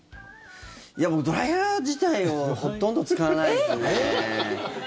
いや、僕ドライヤー自体をほとんど使わないですね。